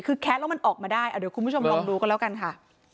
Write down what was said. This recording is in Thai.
คือแคะแล้วมันออกมาได้เดี๋ยวคุณผู้ชมลองดูกันแล้วกันค่ะ